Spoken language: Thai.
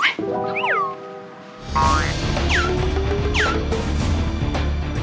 โอเคครับ